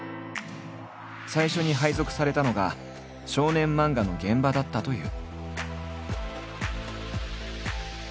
最初に配属されたのが少年漫画の現場だったという。